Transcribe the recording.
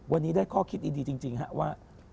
วันนี้ได้ข้อคิดดีจริงฮะว่า